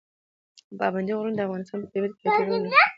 پابندي غرونه د افغانستان په طبیعت کې حیاتي رول لوبوي.